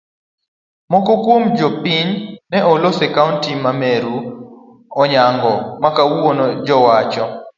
Moko kuom jopiny ma oloso e kaunti ma meru onyango makawuono jowacho